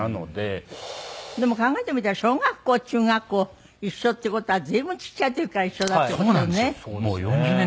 でも考えてみたら小学校中学校一緒っていう事は随分ちっちゃい時から一緒だっていう事よね。